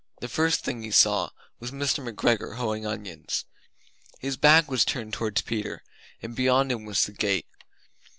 The first thing he saw was Mr. McGregor hoeing onions. His back was turned towards Peter and beyond him was the gate!